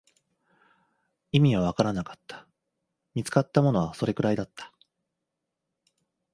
意味はわからなかった、見つかったものはそれくらいだった